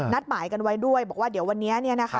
หมายกันไว้ด้วยบอกว่าเดี๋ยววันนี้